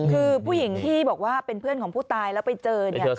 คือผู้หญิงที่บอกว่าเป็นเพื่อนของผู้ตายแล้วไปเจอเนี่ย